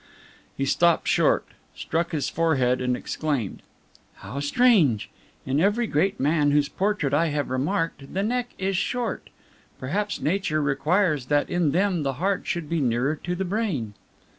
He stopped short, struck his forehead, and exclaimed: "How strange! In every great man whose portrait I have remarked, the neck is short. Perhaps nature requires that in them the heart should be nearer to the brain!"